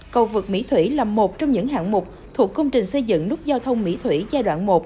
cầu vượt mỹ thủy là một trong những hạng mục thuộc công trình xây dựng nút giao thông mỹ thủy giai đoạn một